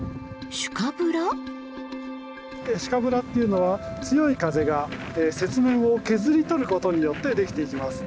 シュカブラっていうのは強い風が雪面を削り取ることによってできていきます。